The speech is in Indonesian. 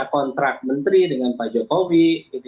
kontrak menteri dengan pak jokowi